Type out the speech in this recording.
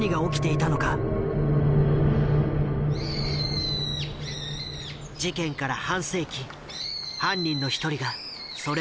事件から半世紀犯人の一人がそれを明かした。